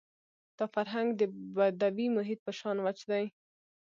دا فرهنګ د بدوي محیط په شان وچ دی.